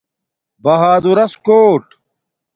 بہادورس کُوٹ